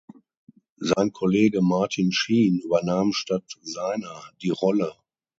Sein Kollege Martin Sheen übernahm statt seiner die Rolle.